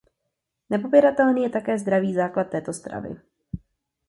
Nepopiratelný je také zdravý základ této stravy.